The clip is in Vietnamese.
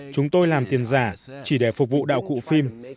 chúng tôi làm tiền giả chỉ để phục vụ đạo cụ phim